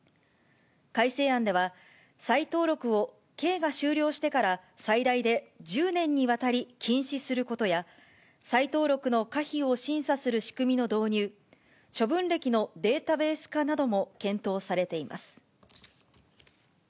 改正案では、再登録を、刑が終了してから最大で１０年にわたり禁止することや、再登録の可否を審査する仕組みの導入、処分歴のデータベース化なども検討されています。